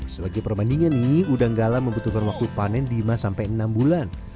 sebagai perbandingan nih udang galang membutuhkan waktu panen lima sampai enam bulan